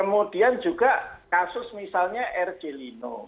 kemudian juga kasus misalnya r j lino